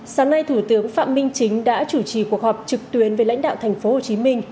sáng nay thủ tướng phạm minh chính đã chủ trì cuộc họp trực tuyến với lãnh đạo thành phố hồ chí minh